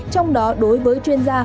trong đó đối với chuyên gia